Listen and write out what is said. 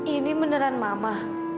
ini beneran mama